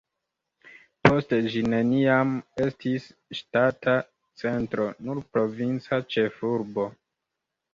Poste ĝi neniam estis ŝtata centro, nur provinca ĉefurbo.